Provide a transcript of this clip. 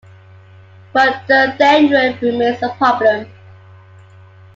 Rhododendron remains a problem.